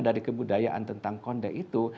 dari kebudayaan tentang konde itu